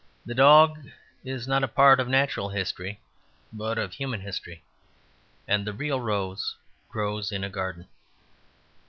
The dog is not a part of natural history, but of human history; and the real rose grows in a garden.